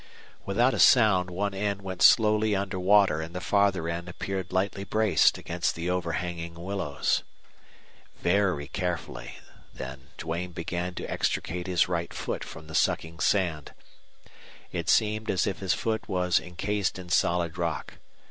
Without a sound one end went slowly under water and the farther end appeared lightly braced against the overhanging willows. Very carefully then Duane began to extricate his right foot from the sucking sand. It seemed as if his foot was incased in solid rock.